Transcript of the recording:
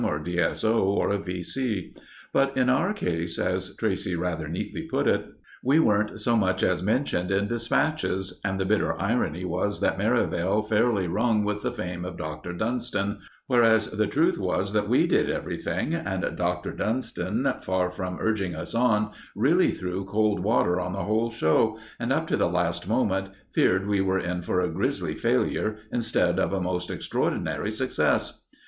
or D.S.O., or a V.C.; but in our case, as Tracey rather neatly put it, we weren't so much as mentioned in dispatches, and the bitter irony was that Merivale fairly rung with the fame of Dr. Dunston, whereas the truth was that we did everything, and Dunston, far from urging us on, really threw cold water on the whole show, and, up to the last moment, feared we were in for a grisly failure, instead of a most extraordinary success.